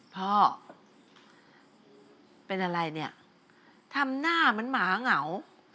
พ่อเป็นอะไรเนี่ยทำหน้าเหมือนหมาเหงา